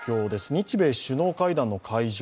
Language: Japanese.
日米首脳会談の会場